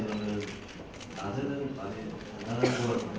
ไม่มีทางไปโดยต้องรับสนุน